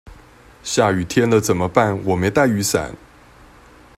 下雨天了怎麼辦我沒帶雨傘